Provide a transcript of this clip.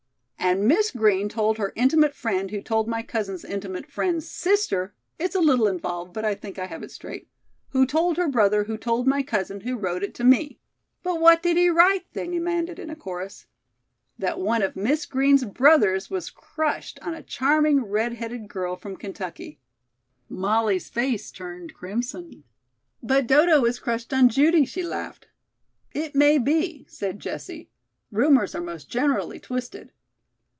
"And Miss Green told her intimate friend who told my cousin's intimate friend's sister it's a little involved, but I think I have it straight who told her brother who told my cousin who wrote it to me." "But what did he write," they demanded in a chorus. "That one of Miss Green's brothers was crushed on a charming red headed girl from Kentucky." Molly's face turned crimson. "But Dodo is crushed on Judy," she laughed. "It may be," said Jessie. "Rumors are most generally twisted."